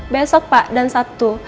besok pak dan sabtu